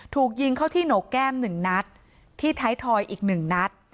ถูกยิงเข้าที่โหนกแก้ม๑นัดที่ท้ายทอยอีก๑นัด